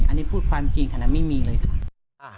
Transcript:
อันนี้พูดความจริงขนาดนั้นไม่มีเลยค่ะ